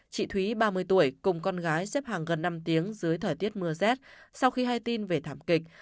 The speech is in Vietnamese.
chị thúy ba mươi tuổi cùng con gái xếp hàng gần năm tiếng dưới thời tiết mưa rét sau khi hai tin về thảm kịch